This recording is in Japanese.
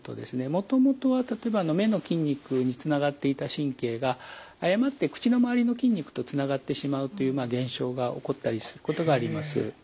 もともとは例えば目の筋肉につながっていた神経が誤って口の周りの筋肉とつながってしまうという現象が起こったりすることがあります。